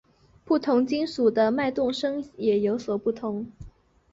不同金属的脉动声也有所不同。